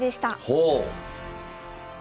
ほう！